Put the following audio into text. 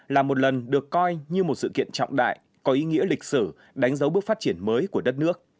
là một lần được coi như một sự kiện trọng đại có ý nghĩa lịch sử đánh dấu bước phát triển mới của đất nước